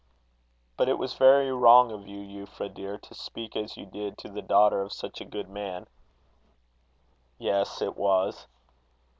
"But it was very wrong of you, Euphra, dear, to speak as you did to the daughter of such a good man." "Yes, it was."